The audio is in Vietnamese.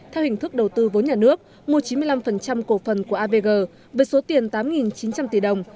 theo hình thức đầu tư vốn nhà nước mua chín mươi năm cổ phần của avg với số tiền tám chín trăm linh tỷ đồng